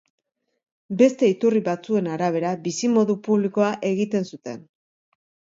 Beste iturri batzuen arabera, bizimodu publikoa egiten zuten.